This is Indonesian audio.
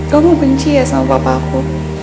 kamu benci ya sama papa aku